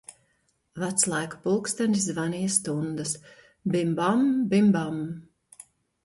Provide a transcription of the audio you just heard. Veclaiku pulkstenis zvanīja stundas, bim bam, bim, bam!